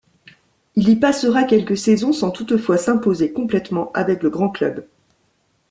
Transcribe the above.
Il y passera quelques saisons sans toutefois s'imposer complètement avec le grand club.